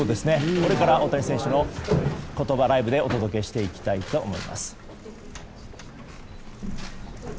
これから大谷選手の言葉ライブでお届けしていきたいと思います。